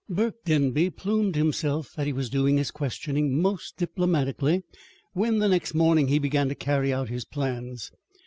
Burke Denby plumed himself that he was doing his questioning most diplomatically when, the next morning, he began to carry out his plans.